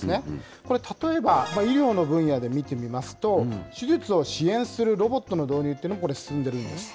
これ、例えば医療の分野で見てみますと、手術を支援するロボットの導入というのも、これ、進んでるんです。